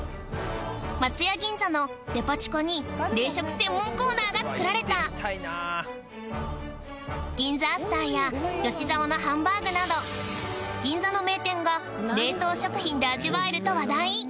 松屋銀座のデパ地下に冷食専門コーナーがつくられた銀座アスターや吉澤のハンバーグなど銀座の名店が冷凍食品で味わえると話題